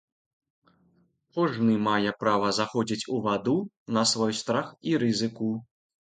Кожны мае права заходзіць у ваду на свой страх і рызыку.